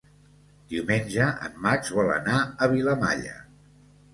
Diumenge en Max vol anar a Vilamalla.